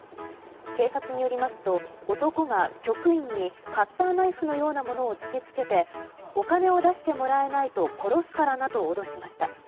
警察によりますと、男が局員にカッターナイフのようなものを突きつけてお金を出してもらえないと殺すからなと脅しました。